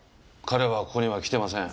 彼はここには来てません。